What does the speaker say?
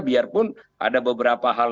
biarpun ada beberapa hal